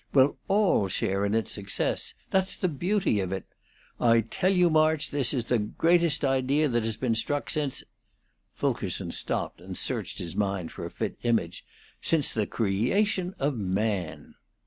We'll all share in its success. That's the beauty of it. I tell you, March, this is the greatest idea that has been struck since" Fulkerson stopped and searched his mind for a fit image "since the creation of man."